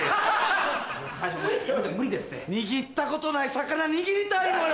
握ったことない魚握りたいのよ！